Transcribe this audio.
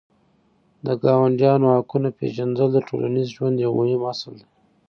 د ګاونډیانو حقونه پېژندل د ټولنیز ژوند یو مهم اصل دی.